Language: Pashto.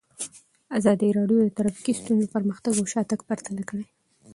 ازادي راډیو د ټرافیکي ستونزې پرمختګ او شاتګ پرتله کړی.